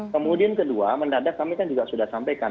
kemudian kedua mendadak kami kan juga sudah sampaikan